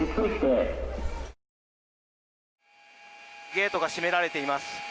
ゲートが閉められています。